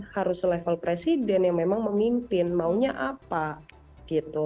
harus level presiden yang memang memimpin maunya apa gitu